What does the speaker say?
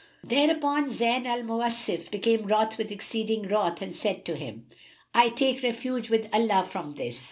Thereupon Zayn al Mawasif became wroth with exceeding wrath and said to him, "I take refuge with Allah from this!